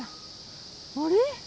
あれ？